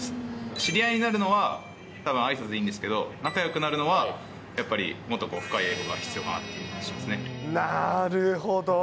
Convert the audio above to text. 知り合いになるのは、たぶんあいさつでいいんですけど、仲よくなるのはやっぱりもっとこう深い英語が必要かなっていう気なるほど。